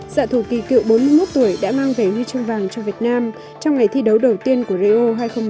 sạ thù kỳ cựu bốn mươi một tuổi đã mang về ghi chương vàng cho việt nam trong ngày thi đấu đầu tiên của rio hai nghìn một mươi sáu